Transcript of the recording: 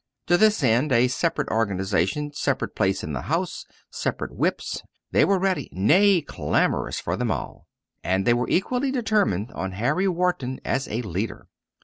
To this end a separate organisation, separate place in the House, separate Whips they were ready, nay clamorous, for them all. And they were equally determined on Harry Wharton as a leader.